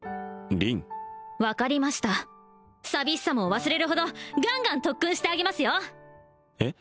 分かりました寂しさも忘れるほどガンガン特訓してあげますよえっ？